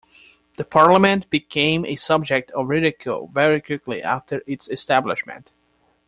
The Parliament became a subject of ridicule very quickly after its establishment.